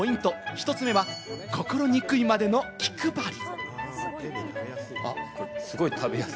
１つ目は心憎いまでの気配り。